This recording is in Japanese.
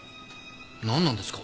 なんなんですか？